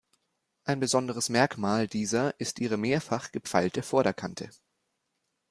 Ein besonderes Merkmal dieser ist ihre mehrfach gepfeilte Vorderkante.